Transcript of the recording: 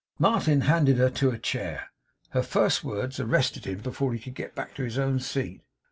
Martin handed her to a chair. Her first words arrested him before he could get back to his own seat.